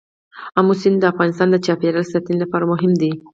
آمو سیند د افغانستان د چاپیریال ساتنې لپاره مهم دي.